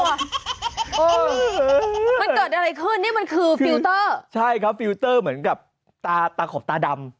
มันเกิดอะไรขึ้นนี่มันคือฟิลเตอร์ใช่ครับฟิลเตอร์เหมือนกับตาตาขอบตาดำ